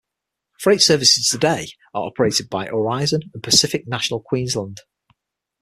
Freight services today are operated by Aurizon and Pacific National Queensland.